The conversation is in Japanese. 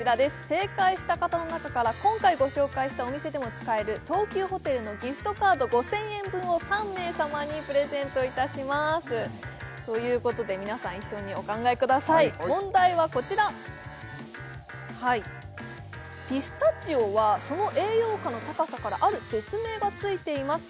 正解した方の中から今回ご紹介したお店でも使える東急ホテルのギフトカード５０００円分を３名様にプレゼントいたしますということで皆さん一緒にお考えください問題はこちらピスタチオはその栄養価の高さからある別名がついています